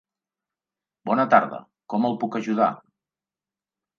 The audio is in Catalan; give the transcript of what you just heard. Bona tarda, com el puc ajudar?